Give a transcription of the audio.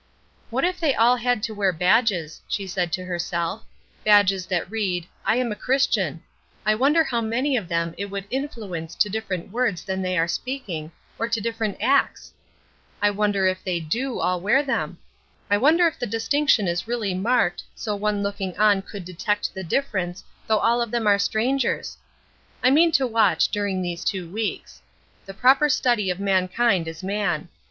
"What if they all had to wear badges," she said to herself, "badges that read 'I am a Christian,' I wonder how many of them it would influence to different words than they are speaking, or to different acts? I wonder if they do all wear them? I wonder if the distinction is really marked, so one looking on could detect the difference, though all of them are strangers? I mean to watch during these two weeks. 'The proper study of mankind is man.'